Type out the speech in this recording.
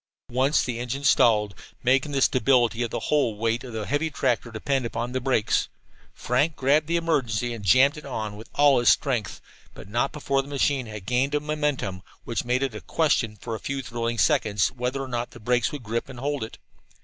Once the engine stalled, making the stability of the whole weight of the heavy tractor depend upon the brakes. Frank grabbed the emergency, and jammed it on with all his strength, but not before the machine had gained a momentum which made it a question for a few thrilling seconds whether or not the brakes would grip and hold it.